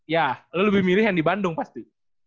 ya lo lebih milih yang di bandung pasti